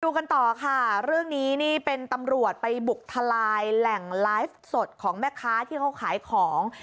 กันต่อค่ะเรื่องนี้นี่เป็นตำรวจไปบุกทลายแหล่งไลฟ์สดของแม่ค้าที่เขาขายของ